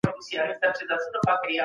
زه به سبا ونې ته اوبه ورکوم وم.